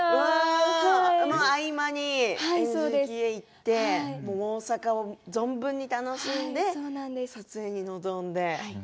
撮影の合間にＮＧＫ行って大阪を存分に楽しんで撮影に臨んで。